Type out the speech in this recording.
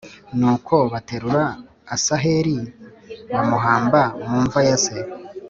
Nuko baterura Asaheli bamuhamba mu mva ya se